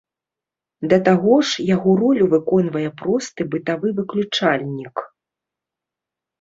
Да таго ж, яго ролю выконвае просты бытавы выключальнік.